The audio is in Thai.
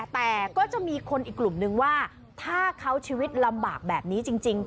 แต่ก็จะมีคนอีกกลุ่มนึงว่าถ้าเขาชีวิตลำบากแบบนี้จริง